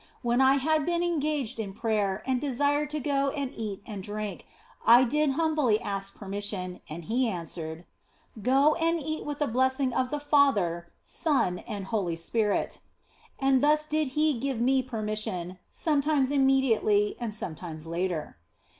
When I had been engaged in prayer and desired to go and eat and drink, I did humbly ask permission, and He answered, " Go and eat with the blessing of the Father, Son, and Holy Spirit." And thus did He give me permission, sometimes immediately and sometimes later.